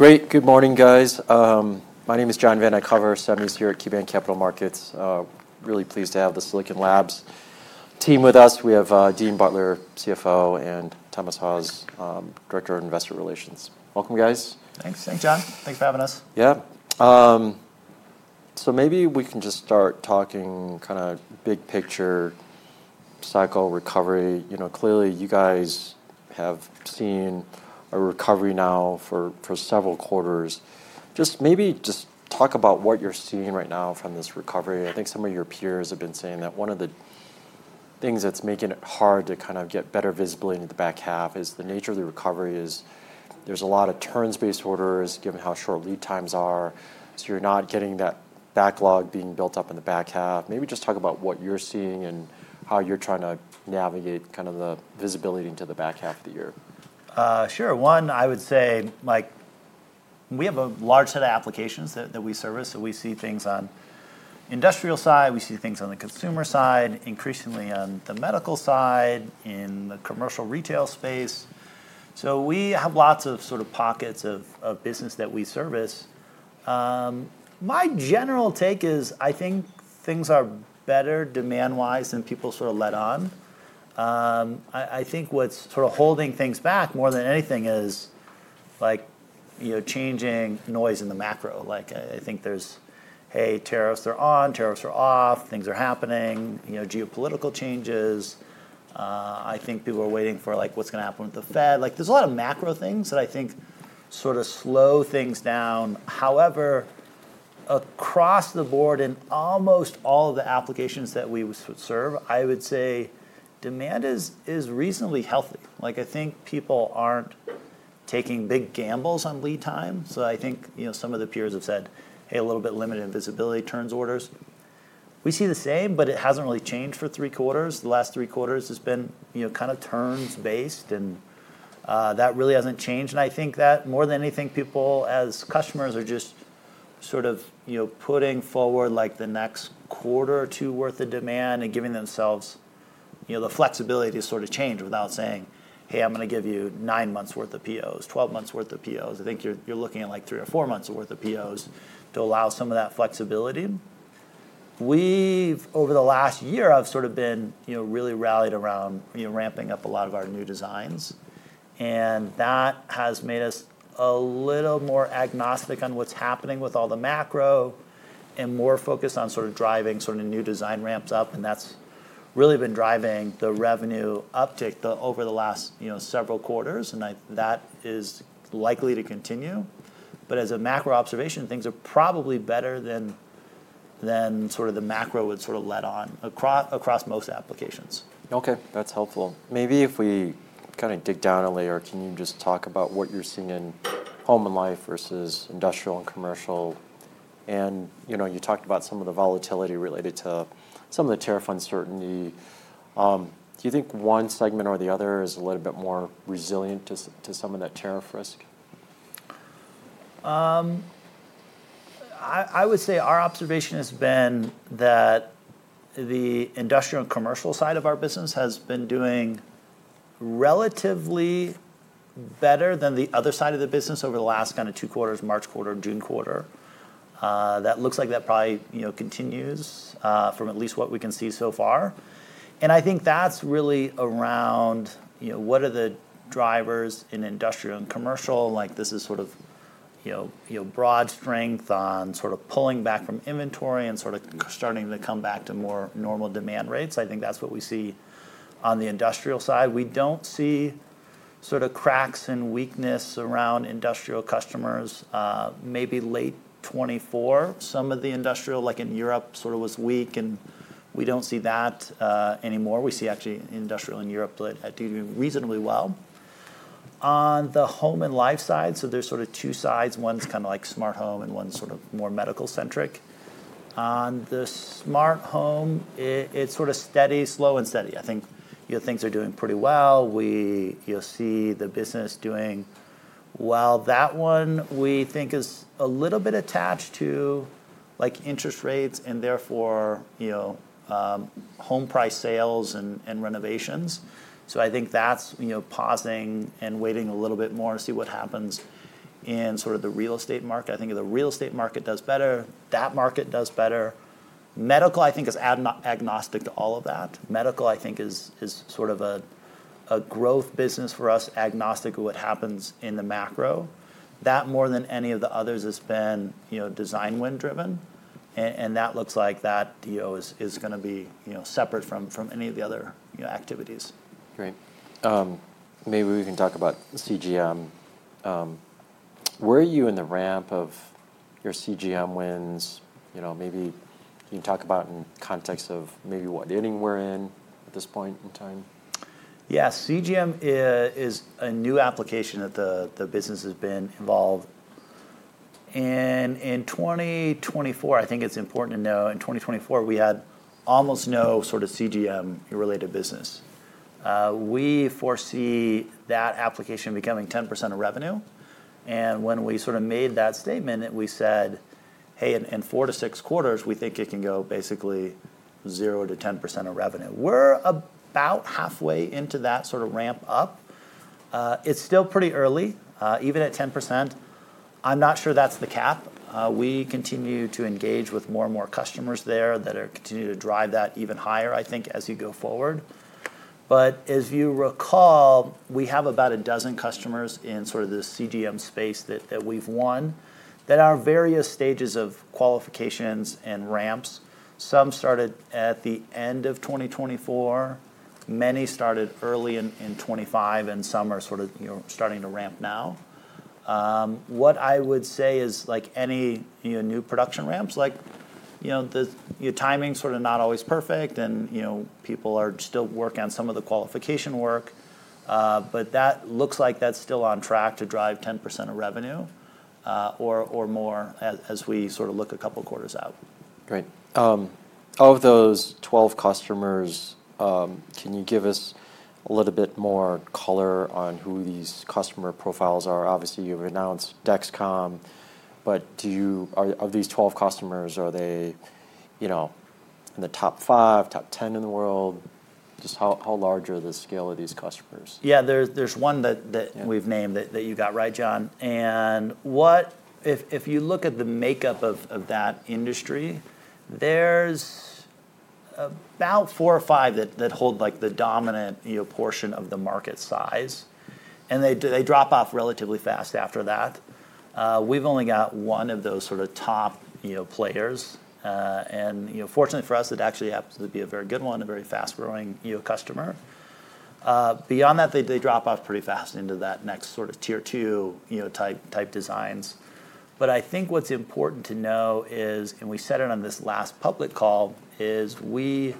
Great. Good morning, guys. My name is John Vinh. I cover semis here at KeyBanc Capital Markets. Really pleased to have the Silicon Laboratories team with us. We have Dean Butler, Chief Financial Officer, and Thomas Haws, Director of Investor Relations. Welcome, guys. Thanks, John. Thanks for having us. Yeah, maybe we can just start talking kind of big picture cycle recovery. You know, clearly you guys have seen a recovery now for several quarters. Just maybe talk about what you're seeing right now from this recovery. I think some of your peers have been saying that one of the things that's making it hard to kind of get better visibility into the back half is the nature of the recovery. There's a lot of turns-based orders given how short lead times are, so you're not getting that backlog being built up in the back half. Maybe just talk about what you're seeing and how you're trying to navigate kind of the visibility into the back half of the year. Sure. One, I would say we have a large set of applications that we service. We see things on the industrial side, we see things on the consumer side, increasingly on the medical side, in the commercial retail space. We have lots of sort of pockets of business that we service. My general take is I think things are better demand-wise than people sort of let on. I think what's sort of holding things back more than anything is changing noise in the macro. I think there's, hey, tariffs are on, tariffs are off, things are happening, geopolitical changes. I think people are waiting for what's going to happen with the Fed. There are a lot of macro things that I think sort of slow things down. However, across the board in almost all of the applications that we serve, I would say demand is reasonably healthy. I think people aren't taking big gambles on lead time. Some of the peers have said, hey, a little bit limited in visibility, turns orders. We see the same, but it hasn't really changed for three quarters. The last three quarters have been kind of turns based, and that really hasn't changed. I think that more than anything, people as customers are just putting forward the next quarter or two worth of demand and giving themselves the flexibility to sort of change without saying, hey, I'm going to give you nine months' worth of POs, 12 months' worth of POs. I think you're looking at three or four months' worth of POs to allow some of that flexibility. We've, over the last year, really rallied around ramping up a lot of our new designs. That has made us a little more agnostic on what's happening with all the macro and more focused on driving new design ramps up. That's really been driving the revenue uptake over the last several quarters. That is likely to continue. As a macro observation, things are probably better than the macro would sort of let on across most applications. Okay, that's helpful. Maybe if we kind of dig down a layer, can you just talk about what you're seeing in home and life versus industrial and commercial? You talked about some of the volatility related to some of the tariff uncertainty. Do you think one segment or the other is a little bit more resilient to some of that tariff risk? I would say our observation has been that the industrial and commercial side of our business has been doing relatively better than the other side of the business over the last two quarters, March quarter, June quarter. That looks like that probably continues, from at least what we can see so far. I think that's really around what are the drivers in industrial and commercial. This is sort of broad strength on pulling back from inventory and starting to come back to more normal demand rates. I think that's what we see on the industrial side. We don't see cracks and weakness around industrial customers. Maybe late 2024, some of the industrial, like in Europe, was weak and we don't see that anymore. We see actually industrial in Europe doing reasonably well. On the home and life side, there are two sides. One's kind of like smart home and one's more medical centric. On the smart home, it's steady, slow, and steady. I think things are doing pretty well. We see the business doing well. That one we think is a little bit attached to interest rates and therefore home price sales and renovations. I think that's pausing and waiting a little bit more to see what happens in the real estate market. I think the real estate market does better, that market does better. Medical, I think, is agnostic to all of that. Medical, I think, is sort of a growth business for us, agnostic of what happens in the macro. That more than any of the others has been design-win driven. That looks like that deal is going to be separate from any of the other activities. Great. Maybe we can talk about continuous glucose monitoring. Where are you in the ramp of your continuous glucose monitoring wins? You know, maybe you can talk about in context of maybe what editing we're in at this point in time. CGM is a new application that the business has been involved in. In 2024, I think it's important to know, in 2024, we had almost no sort of CGM-related business. We foresee that application becoming 10% of revenue. When we sort of made that statement, we said, hey, in four to six quarters, we think it can go basically zero to 10% of revenue. We're about halfway into that sort of ramp up. It's still pretty early. Even at 10%, I'm not sure that's the cap. We continue to engage with more and more customers there that continue to drive that even higher, I think, as you go forward. As you recall, we have about a dozen customers in sort of the CGM space that we've won that are at various stages of qualifications and ramps. Some started at the end of 2024. Many started early in 2025, and some are sort of starting to ramp now. What I would say is like any new production ramps, the timing is sort of not always perfect, and people are still working on some of the qualification work. That looks like that's still on track to drive 10% of revenue, or more as we sort of look a couple of quarters out. Right. Of those 12 customers, can you give us a little bit more color on who these customer profiles are? Obviously, you've announced Dexcom, but do you, are these 12 customers, are they in the top five, top 10 in the world? Just how large are the scale of these customers? Yeah, there's one that we've named that you got right, John. If you look at the makeup of that industry, there's about four or five that hold the dominant portion of the market size, and they drop off relatively fast after that. We've only got one of those top players, and fortunately for us, it actually happens to be a very good one, a very fast growing customer. Beyond that, they drop off pretty fast into that next tier two type designs. I think what's important to know is, and we said it on this last public call, we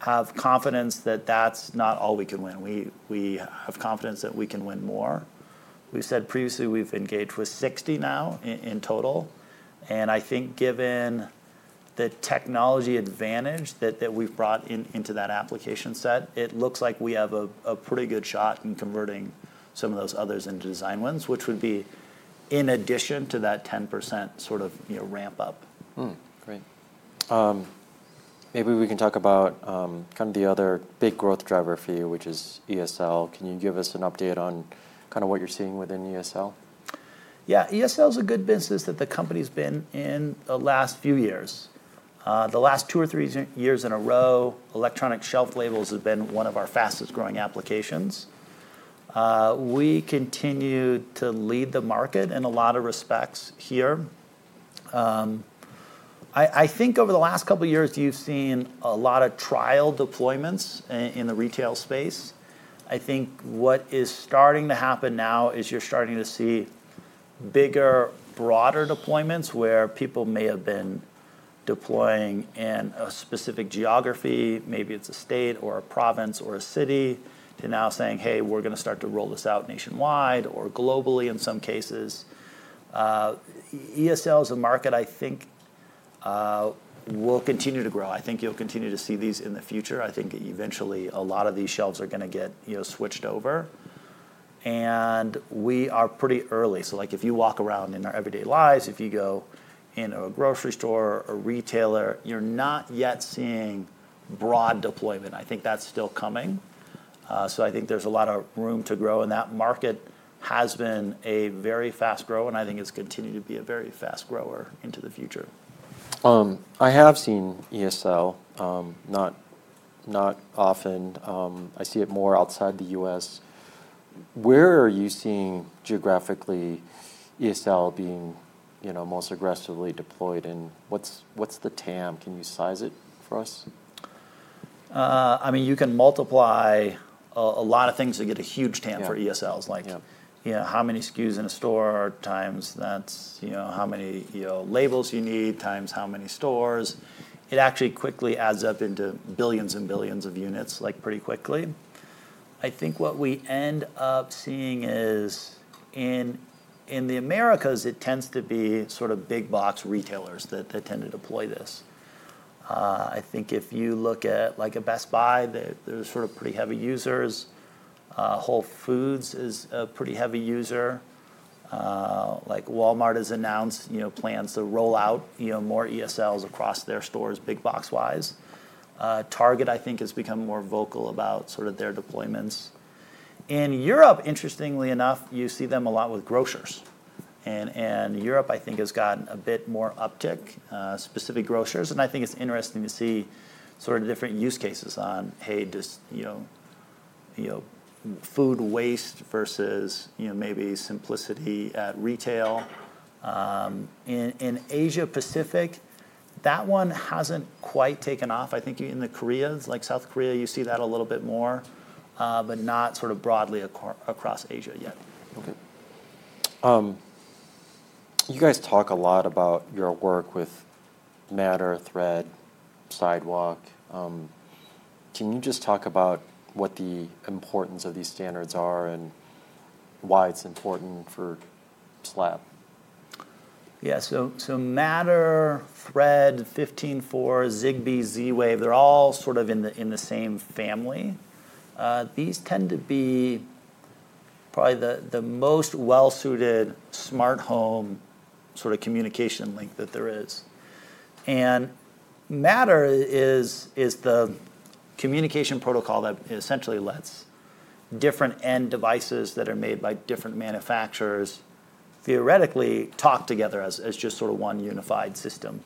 have confidence that that's not all we can win. We have confidence that we can win more. We said previously we've engaged with 60 now in total. I think given the technology advantage that we've brought into that application set, it looks like we have a pretty good shot in converting some of those others into design wins, which would be in addition to that 10% ramp up. Great. Maybe we can talk about the other big growth driver for you, which is ESL. Can you give us an update on what you're seeing within ESL? Yeah, ESL is a good business that the company's been in the last few years. The last two or three years in a row, electronic shelf labels have been one of our fastest growing applications. We continue to lead the market in a lot of respects here. I think over the last couple of years, you've seen a lot of trial deployments in the retail space. I think what is starting to happen now is you're starting to see bigger, broader deployments where people may have been deploying in a specific geography, maybe it's a state or a province or a city, to now saying, hey, we're going to start to roll this out nationwide or globally in some cases. ESL is a market I think will continue to grow. I think you'll continue to see these in the future. I think eventually a lot of these shelves are going to get, you know, switched over. We are pretty early. If you walk around in our everyday lives, if you go in a grocery store or a retailer, you're not yet seeing broad deployment. I think that's still coming. I think there's a lot of room to grow, and that market has been a very fast grower, and I think it's continued to be a very fast grower into the future. I have seen ESL, not often. I see it more outside the U.S. Where are you seeing geographically ESL being most aggressively deployed? What's the TAM? Can you size it for us? I mean, you can multiply a lot of things to get a huge TAM for ESLs. Like, you know, how many SKUs in a store times that's, you know, how many, you know, labels you need times how many stores. It actually quickly adds up into billions and billions of units, like pretty quickly. I think what we end up seeing is in the Americas, it tends to be sort of big box retailers that tend to deploy this. I think if you look at like a Best Buy, there's sort of pretty heavy users. Whole Foods is a pretty heavy user. Walmart has announced, you know, plans to roll out, you know, more ESLs across their stores, big box-wise. Target, I think, has become more vocal about sort of their deployments. In Europe, interestingly enough, you see them a lot with grocers. Europe, I think, has gotten a bit more uptick, specific grocers. I think it's interesting to see sort of different use cases on, hey, does, you know, food waste versus, you know, maybe simplicity at retail. In Asia-Pacific, that one hasn't quite taken off. I think in the Koreas, like South Korea, you see that a little bit more, but not sort of broadly across Asia yet. Okay. You guys talk a lot about your work with Matter, Thread, Amazon Sidewalk. Can you just talk about what the importance of these standards are and why it's important for flat? Yeah, so Matter, Thread, 15.4, Zigbee, Z-Wave, they're all sort of in the same family. These tend to be probably the most well-suited smart home sort of communication link that there is. Matter is the communication protocol that essentially lets different end devices that are made by different manufacturers theoretically talk together as just sort of one unified system.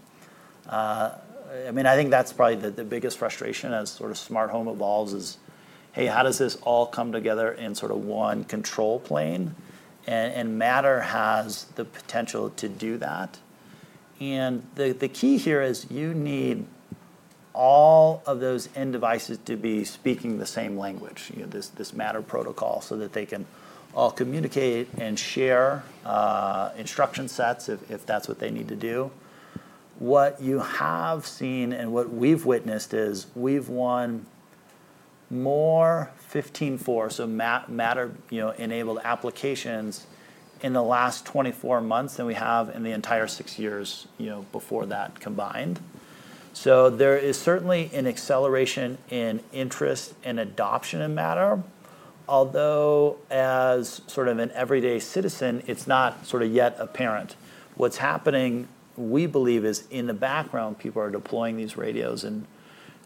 I think that's probably the biggest frustration as sort of smart home evolves is, hey, how does this all come together in sort of one control plane? Matter has the potential to do that. The key here is you need all of those end devices to be speaking the same language, you know, this Matter protocol so that they can all communicate and share instruction sets if that's what they need to do. What you have seen and what we've witnessed is we've won more 15.4, so Matter-enabled applications in the last 24 months than we have in the entire six years before that combined. There is certainly an acceleration in interest and adoption in Matter. Although, as sort of an everyday citizen, it's not yet apparent. What's happening, we believe, is in the background, people are deploying these radios and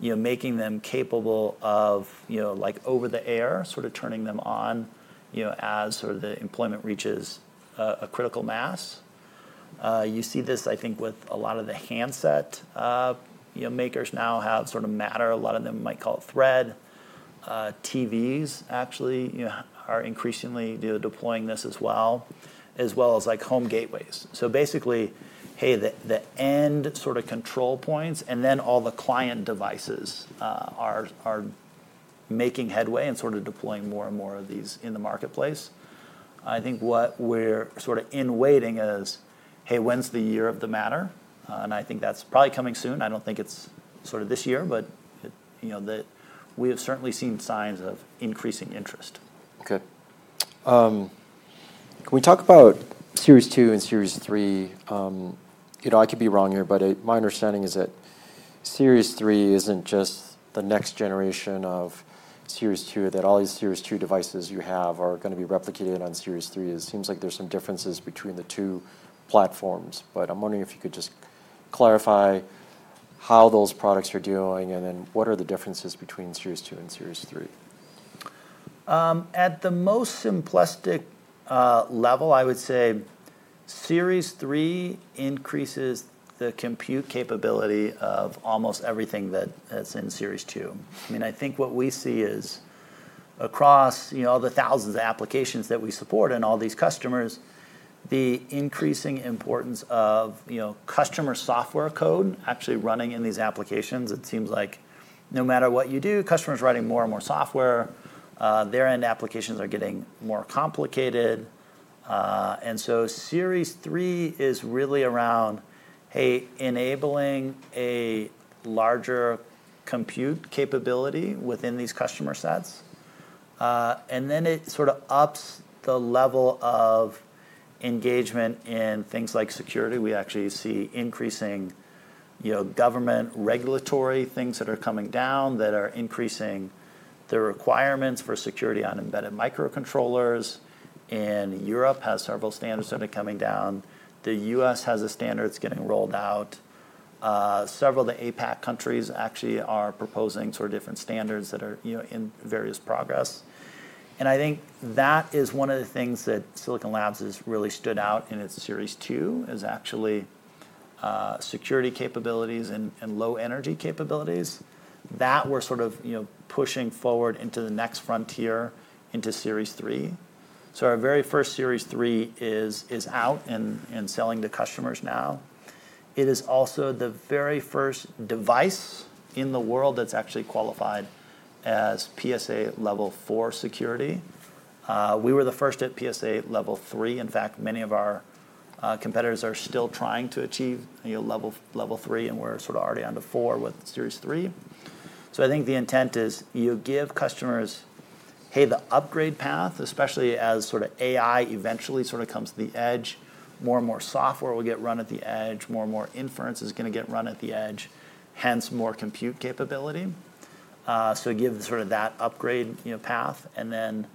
making them capable of, you know, like over the air, sort of turning them on as the deployment reaches a critical mass. You see this, I think, with a lot of the handset makers now have sort of Matter. A lot of them might call it Thread. TVs actually are increasingly deploying this as well, as well as like home gateways. Basically, hey, the end sort of control points and then all the client devices are making headway and deploying more and more of these in the marketplace. I think what we're sort of in waiting is, hey, when's the year of the Matter? I think that's probably coming soon. I don't think it's this year, but we have certainly seen signs of increasing interest. Okay. Can we talk about Series 2 and Series 3? You know, I could be wrong here, but my understanding is that Series 3 isn't just the next generation of Series 2, that all these Series 2 devices you have are going to be replicated on Series 3. It seems like there's some differences between the two platforms, but I'm wondering if you could just clarify how those products are doing and then what are the differences between Series 2 and Series 3? At the most simplistic level, I would say Series 3 increases the compute capability of almost everything that's in Series 2. I mean, I think what we see is across all the thousands of applications that we support and all these customers, the increasing importance of customer software code actually running in these applications. It seems like no matter what you do, customers are writing more and more software. Their end applications are getting more complicated, and Series 3 is really around, hey, enabling a larger compute capability within these customer sets. It sort of ups the level of engagement in things like security. We actually see increasing government regulatory things that are coming down that are increasing the requirements for security on embedded microcontrollers. Europe has several standards that are coming down. The U.S. has a standard that's getting rolled out. Several of the APAC countries actually are proposing sort of different standards that are in various progress. I think that is one of the things that Silicon Laboratories has really stood out in its Series 2 is actually security capabilities and low energy capabilities that we're sort of pushing forward into the next frontier into Series 3. Our very first Series 3 is out and selling to customers now. It is also the very first device in the world that's actually qualified as PSA Level 4 security. We were the first at PSA Level 3. In fact, many of our competitors are still trying to achieve Level 3, and we're sort of already on to 4 with Series 3. I think the intent is you give customers, hey, the upgrade path, especially as sort of AI eventually comes to the edge, more and more software will get run at the edge, more and more inference is going to get run at the edge, hence more compute capability. Give sort of that upgrade path and then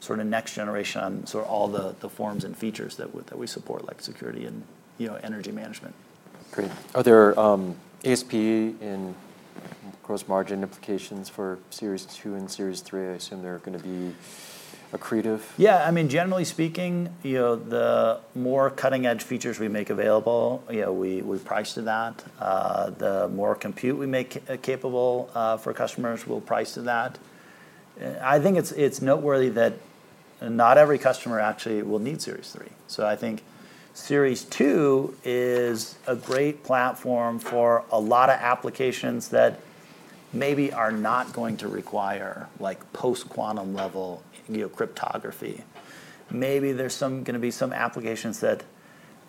sort of next generation on all the forms and features that we support, like security and energy management. Great. Are there ASP and gross margin implications for Series 2 and Series 3? I assume they're going to be accretive. Yeah, I mean, generally speaking, the more cutting-edge features we make available, we price to that. The more compute we make capable for customers, we'll price to that. I think it's noteworthy that not every customer actually will need Series 3. I think Series 2 is a great platform for a lot of applications that maybe are not going to require post-quantum level cryptography. Maybe there are going to be some applications that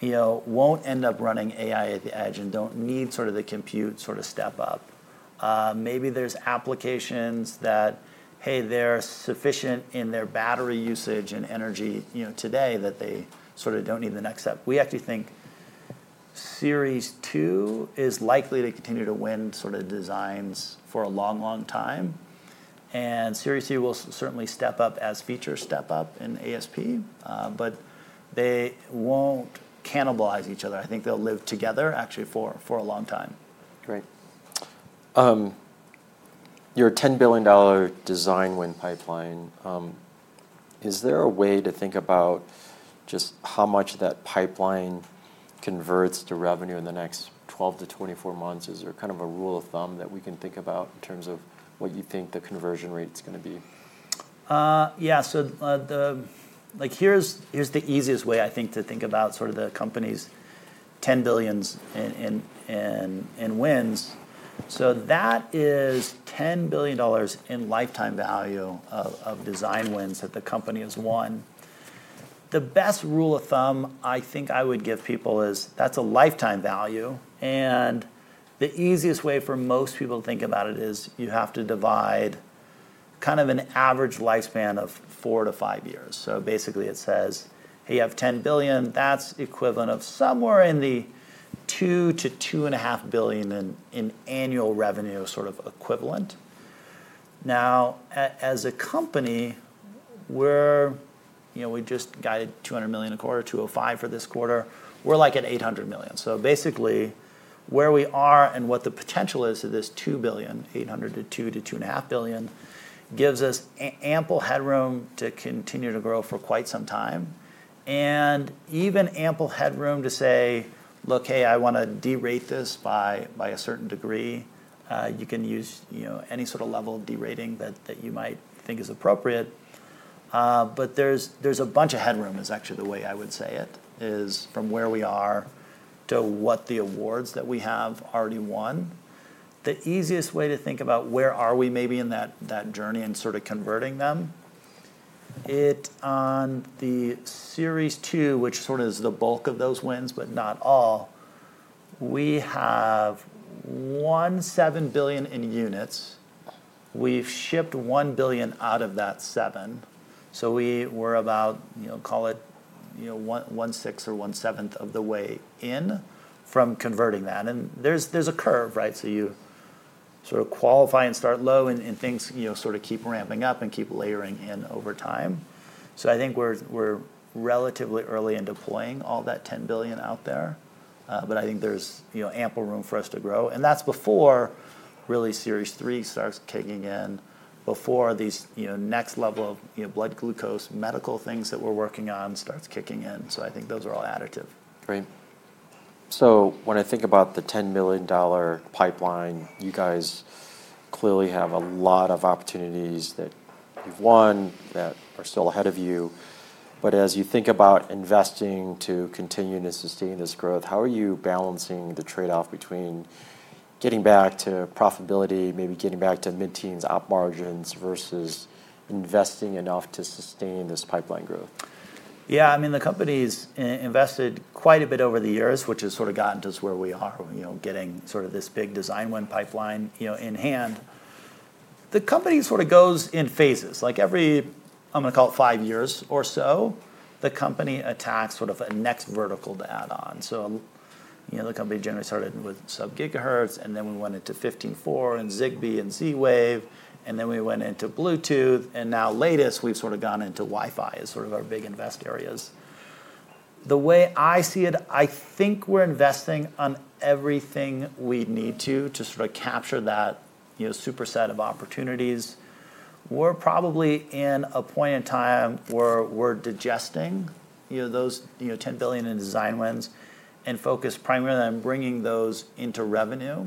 won't end up running AI at the edge and don't need the compute step up. Maybe there are applications that are sufficient in their battery usage and energy today, so they don't need the next step. We actually think Series 2 is likely to continue to win designs for a long time. Series 2 will certainly step up as features step up in ASP, but they won't cannibalize each other. I think they'll live together for a long time. Great. Your $10 billion design win pipeline, is there a way to think about just how much that pipeline converts to revenue in the next 12 to 24 months? Is there kind of a rule of thumb that we can think about in terms of what you think the conversion rate is going to be? Yeah, so here's the easiest way I think to think about sort of the company's $10 billion in wins. That is $10 billion in lifetime value of design wins that the company has won. The best rule of thumb I think I would give people is that's a lifetime value, and the easiest way for most people to think about it is you have to divide kind of an average lifespan of four to five years. Basically, it says, hey, you have $10 billion, that's equivalent of somewhere in the $2 billion - $2.5 billion in annual revenue sort of equivalent. Now, as a company, we're, you know, we just got $200 million a quarter, $205 million for this quarter, we're like at $800 million. Basically, where we are and what the potential is of this $2 billion, $800 million to $2 billion to $2.5 billion gives us ample headroom to continue to grow for quite some time. Even ample headroom to say, look, hey, I want to derate this by a certain degree. You can use any sort of level of derating that you might think is appropriate, but there's a bunch of headroom. That is actually the way I would say it is from where we are to what the awards that we have already won. The easiest way to think about where are we maybe in that journey and sort of converting them. On the Series 2, which sort of is the bulk of those wins, but not all, we have won $7 billion in units. We've shipped $1 billion out of that $7 billion. So we were about, you know, call it, you know, one sixth or one seventh of the way in from converting that. There's a curve, right? You sort of qualify and start low and things sort of keep ramping up and keep layering in over time. I think we're relatively early in deploying all that $10 billion out there. I think there's ample room for us to grow, and that's before really Series 3 starts kicking in, before these next level of blood glucose medical things that we're working on starts kicking in. I think those are all additive. Great. When I think about the $10 billion pipeline, you guys clearly have a lot of opportunities that you've won that are still ahead of you. As you think about investing to continue to sustain this growth, how are you balancing the trade-off between getting back to profitability, maybe getting back to mid-teens op margins versus investing enough to sustain this pipeline growth? Yeah, I mean, the company's invested quite a bit over the years, which has sort of gotten us to where we are, you know, getting sort of this big design win pipeline, you know, in hand. The company sort of goes in phases, like every, I'm going to call it five years or so, the company attacks sort of a next vertical to add on. You know, the company generally started with sub gigahertz, and then we went into 15.4 and Zigbee and Z-Wave, and then we went into Bluetooth. Now latest, we've sort of gone into Wi-Fi as sort of our big invest areas. The way I see it, I think we're investing on everything we need to to sort of capture that, you know, superset of opportunities. We're probably in a point in time where we're digesting, you know, those, you know, $10 billion in design wins and focus primarily on bringing those into revenue.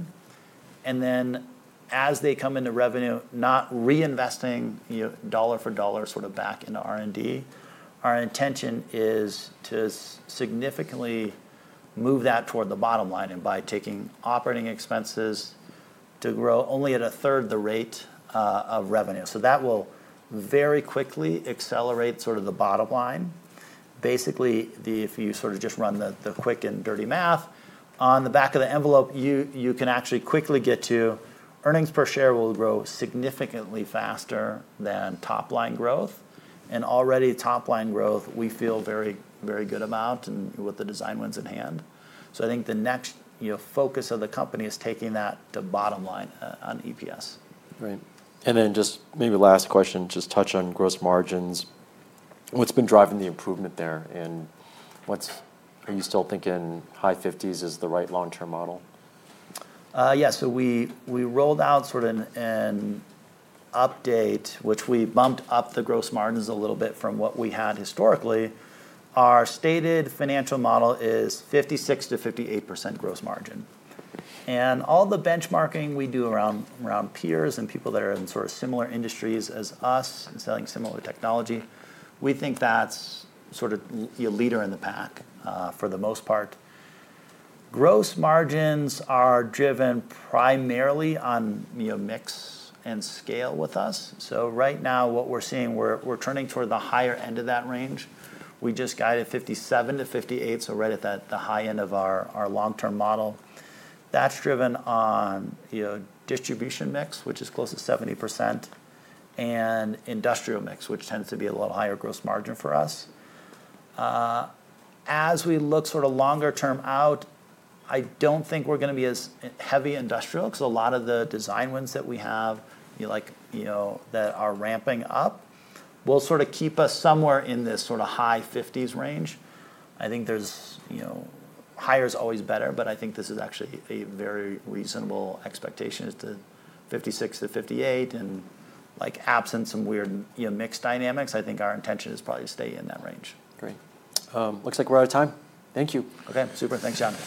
As they come into revenue, not reinvesting, you know, dollar for dollar sort of back into R&D, our intention is to significantly move that toward the bottom line and by taking operating expenses to grow only at a third of the rate of revenue. That will very quickly accelerate sort of the bottom line. Basically, if you sort of just run the quick and dirty math on the back of the envelope, you can actually quickly get to earnings per share will grow significantly faster than top line growth. Already top line growth, we feel a very, very good amount and with the design wins in hand. I think the next, you know, focus of the company is taking that to bottom line on EPS. Right. Maybe last question, just touch on gross margins. What's been driving the improvement there? Are you still thinking high fifties is the right long-term model? Yeah, so we rolled out sort of an update, which we bumped up the gross margins a little bit from what we had historically. Our stated financial model is 56% - 58% gross margin. All the benchmarking we do around peers and people that are in sort of similar industries as us and selling similar technology, we think that's sort of a leader in the pack for the most part. Gross margins are driven primarily on, you know, mix and scale with us. Right now what we're seeing, we're turning toward the higher end of that range. We just got it 57% - 58%. Right at the high end of our long-term model, that's driven on, you know, distribution mix, which is close to 70%, and industrial mix, which tends to be a little higher gross margin for us. As we look sort of longer term out, I don't think we're going to be as heavy industrial because a lot of the design wins that we have, you know, that are ramping up will sort of keep us somewhere in this sort of high fifties range. I think there's, you know, higher is always better, but I think this is actually a very reasonable expectation is to 56% - 58%. Like absent some weird, you know, mix dynamics, I think our intention is probably to stay in that range. Great. Looks like we're out of time. Thank you. Okay, super. Thanks, John.